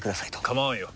構わんよ。